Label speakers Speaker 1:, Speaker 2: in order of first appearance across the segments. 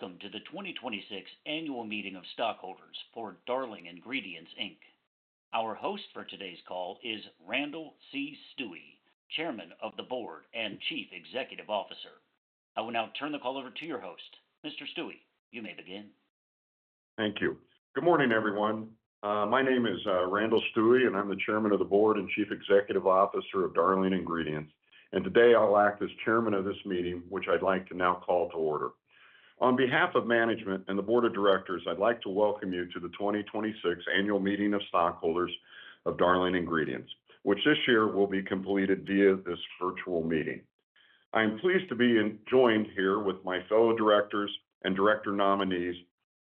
Speaker 1: Welcome to the 2026 Annual Meeting of Stockholders for Darling Ingredients Inc. Our host for today's call is Randall C. Stuewe, Chairman of the Board and Chief Executive Officer. I will now turn the call over to your host. Mr. Stuewe, you may begin.
Speaker 2: Thank you. Good morning, everyone. My name is Randall Stuewe, and I'm the Chairman of the Board and Chief Executive Officer of Darling Ingredients. Today I'll act as chairman of this meeting, which I'd like to now call to order. On behalf of management and the Board of Directors, I'd like to welcome you to the 2026 Annual Meeting of Stockholders of Darling Ingredients, which this year will be completed via this virtual meeting. I am pleased to be joined here with my fellow Directors and Director nominees,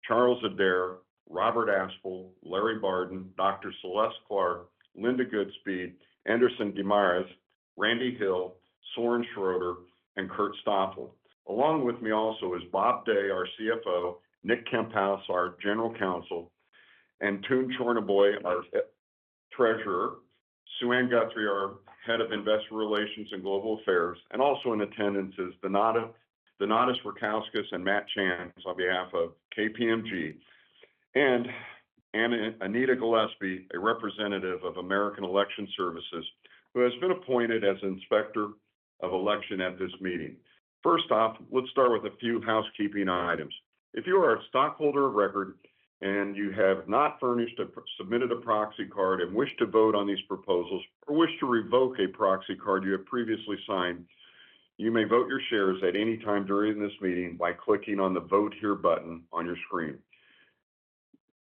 Speaker 2: Charles Adair, Robert Aspell, Larry Barden, Dr. Celeste Clark, Linda Goodspeed, Enderson Guimaraes, Randy Hill, Soren Schroder, and Kurt Stoffel. Along with me also is Bob Day, our CFO, Nick Kemphaus, our General Counsel, and Martijn van Steenpaal, our Treasurer, Suann Guthrie, our Head of Investor Relations and Global Affairs. Also in attendance is Donatas Rackauskas and Matt Chan, who's on behalf of KPMG, and Anita Gillespie, a representative of American Election Services, who has been appointed as Inspector of Election at this meeting. First off, let's start with a few housekeeping items. If you are a stockholder of record and you have not furnished or submitted a proxy card and wish to vote on these proposals or wish to revoke a proxy card you have previously signed, you may vote your shares at any time during this meeting by clicking on the Vote Here button on your screen.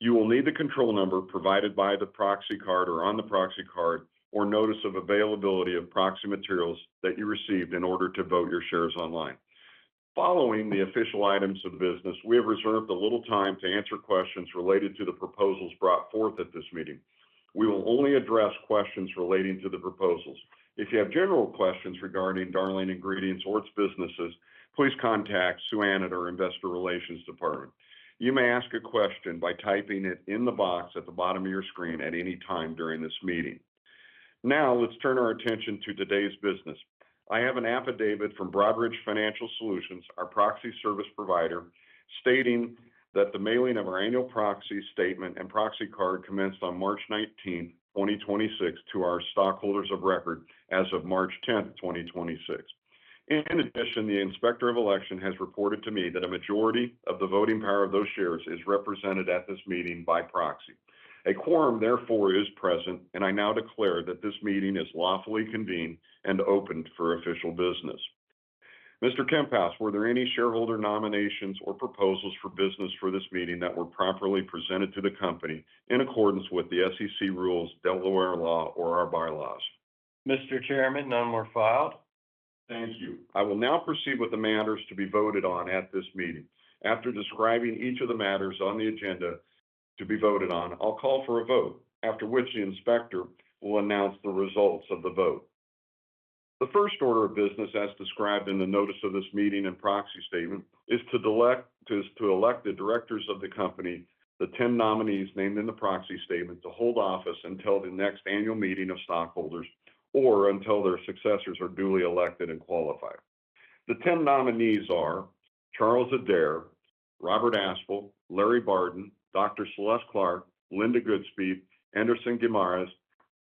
Speaker 2: You will need the control number provided by the proxy card or on the proxy card or notice of availability of proxy materials that you received in order to vote your shares online. Following the official items of business, we have reserved a little time to answer questions related to the proposals brought forth at this meeting. We will only address questions relating to the proposals. If you have general questions regarding Darling Ingredients or its businesses, please contact Suann at our Investor Relations department. You may ask a question by typing it in the box at the bottom of your screen at any time during this meeting. Now, let's turn our attention to today's business. I have an affidavit from Broadridge Financial Solutions, our proxy service provider, stating that the mailing of our annual proxy statement and proxy card commenced on March 19th, 2026 to our stockholders of record as of March 10th, 2026. In addition, the Inspector of Election has reported to me that a majority of the voting power of those shares is represented at this meeting by proxy. A quorum, therefore, is present, and I now declare that this meeting is lawfully convened and opened for official business. Mr. Kemphaus, were there any shareholder nominations or proposals for business for this meeting that were properly presented to the company in accordance with the SEC rules, Delaware law, or our bylaws?
Speaker 3: Mr. Chairman, none were filed.
Speaker 2: Thank you. I will now proceed with the matters to be voted on at this meeting. After describing each of the matters on the agenda to be voted on, I'll call for a vote, after which the inspector will announce the results of the vote. The first order of business, as described in the notice of this meeting and proxy statement, is to elect the directors of the company, the 10 nominees named in the proxy statement, to hold office until the next annual meeting of stockholders or until their successors are duly elected and qualified. The 10 nominees are Charles Adair, Robert Aspell, Larry Barden, Dr. Celeste Clark, Linda Goodspeed, Enderson Guimaraes,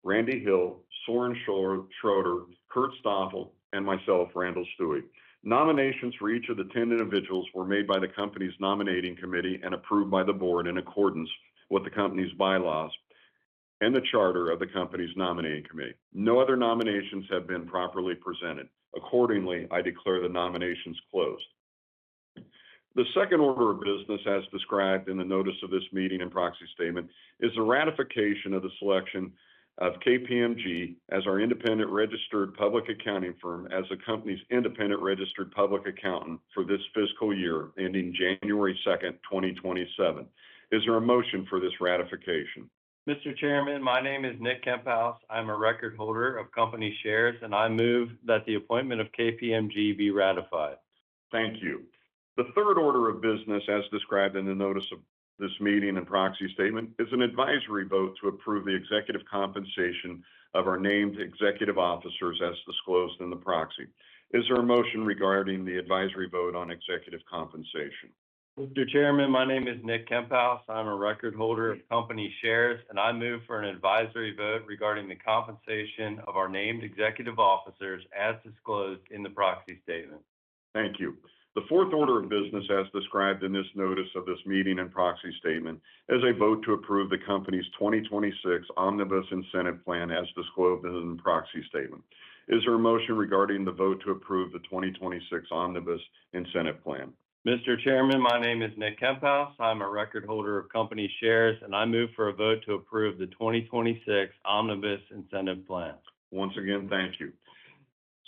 Speaker 2: Randy Hill, Soren Schroder, Kurt Stoffel, and myself, Randall Stuewe. Nominations for each of the 10 individuals were made by the company's nominating committee and approved by the Board in accordance with the company's bylaws and the charter of the company's nominating committee. No other nominations have been properly presented. Accordingly, I declare the nominations closed. The second order of business, as described in the notice of this meeting and proxy statement, is the ratification of the selection of KPMG as our independent registered public accounting firm as the company's independent registered public accountant for this fiscal year ending January 2nd, 2027. Is there a motion for this ratification?
Speaker 3: Mr. Chairman, my name is Nick Kemphaus. I'm a record holder of company shares. I move that the appointment of KPMG be ratified.
Speaker 2: Thank you. The third order of business, as described in the notice of this meeting and proxy statement, is an advisory vote to approve the executive compensation of our named executive officers as disclosed in the proxy. Is there a motion regarding the advisory vote on executive compensation?
Speaker 3: Mr. Chairman, my name is Nick Kemphaus. I'm a record holder of company shares. I move for an advisory vote regarding the compensation of our named executive officers as disclosed in the proxy statement.
Speaker 2: Thank you. The fourth order of business, as described in this notice of this meeting and proxy statement, is a vote to approve the company's 2026 Omnibus Incentive Plan as disclosed in the proxy statement. Is there a motion regarding the vote to approve the 2026 Omnibus Incentive Plan?
Speaker 3: Mr. Chairman, my name is Nick Kemphaus. I'm a record holder of company shares. I move for a vote to approve the 2026 Omnibus Incentive Plan.
Speaker 2: Once again, thank you.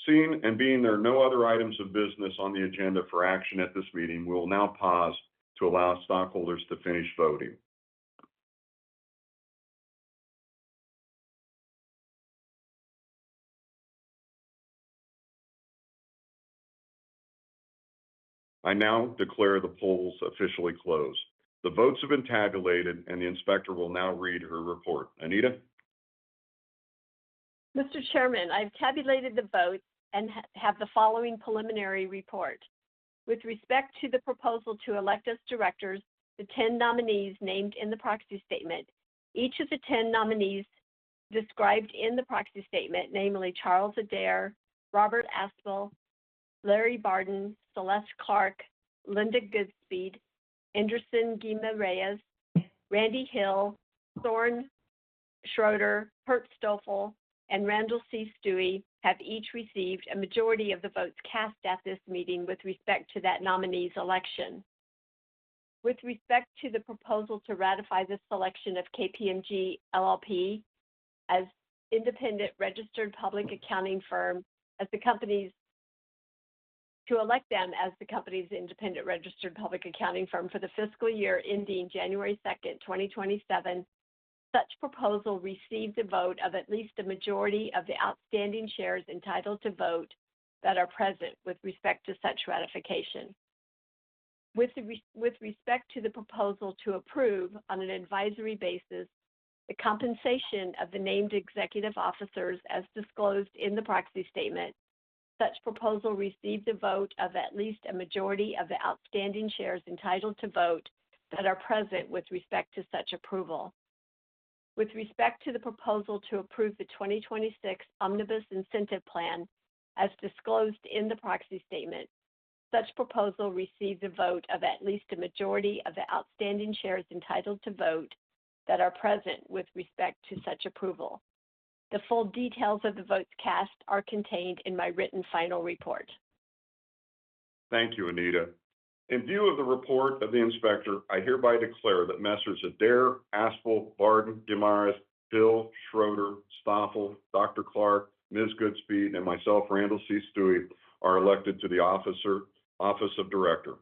Speaker 2: Seeing and being there are no other items of business on the agenda for action at this meeting, we will now pause to allow stockholders to finish voting. I now declare the polls officially closed. The votes have been tabulated, and the inspector will now read her report. Anita?
Speaker 4: Mr. Chairman, I've tabulated the votes and have the following preliminary report. With respect to the proposal to elect as directors the 10 nominees named in the proxy statement, each of the 10 nominees described in the proxy statement, namely, Charles Adair, Robert Aspell, Larry Barden, Celeste Clark, Linda Goodspeed, Enderson Guimaraes, Randy Hill, Soren Schroder, Kurt Stoffel, and Randall C. Stuewe, have each received a majority of the votes cast at this meeting with respect to that nominee's election. With respect to the proposal to ratify the selection of KPMG LLP as the company's independent registered public accounting firm for the fiscal year ending January 2nd, 2027, such proposal received a vote of at least a majority of the outstanding shares entitled to vote that are present with respect to such ratification. With respect to the proposal to approve, on an advisory basis, the compensation of the named executive officers as disclosed in the proxy statement, such proposal received a vote of at least a majority of the outstanding shares entitled to vote that are present with respect to such approval. With respect to the proposal to approve the 2026 Omnibus Incentive Plan as disclosed in the proxy statement, such proposal received a vote of at least a majority of the outstanding shares entitled to vote that are present with respect to such approval. The full details of the votes cast are contained in my written final report.
Speaker 2: Thank you, Anita. In view of the report of the inspector, I hereby declare that Messrs. Adair, Aspell, Barden, Guimaraes, Hill, Schroder, Stoffel, Dr. Clark, Ms. Goodspeed, and myself, Randall C. Stuewe, are elected to the Office of Director.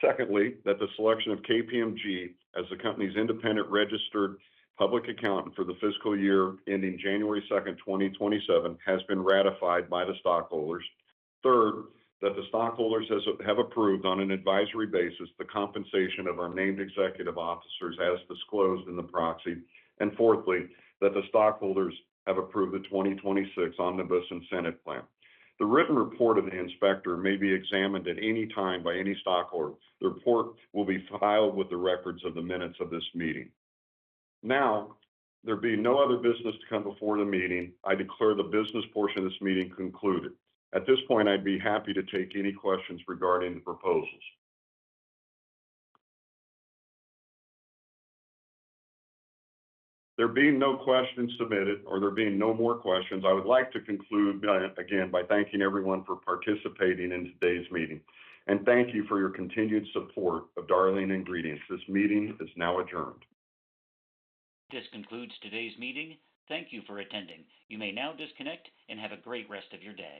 Speaker 2: Secondly, that the selection of KPMG as the company's independent registered public accountant for the fiscal year ending January 2nd, 2027, has been ratified by the stockholders. Third, that the stockholders have approved on an advisory basis the compensation of our named executive officers as disclosed in the proxy. Fourthly, that the stockholders have approved the 2026 Omnibus Incentive Plan. The written report of the inspector may be examined at any time by any stockholder. The report will be filed with the records of the minutes of this meeting. Now, there being no other business to come before the meeting, I declare the business portion of this meeting concluded. At this point, I'd be happy to take any questions regarding the proposals. There being no questions submitted or there being no more questions, I would like to conclude by, again, by thanking everyone for participating in today's meeting. Thank you for your continued support of Darling Ingredients. This meeting is now adjourned.
Speaker 1: This concludes today's meeting. Thank you for attending. You may now disconnect and have a great rest of your day.